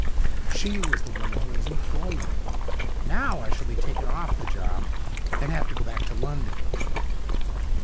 'She was the woman who was employing me. Now I shall be taken off the job and have to go back to London.'